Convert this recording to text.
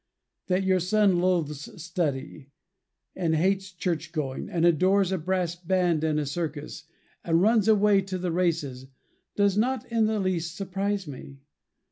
That your son loathes study, and hates church going, and adores a brass band and a circus, and runs away to the races, does not in the least surprise me.